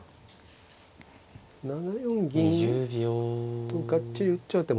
７四銀とがっちり打っちゃう手もね。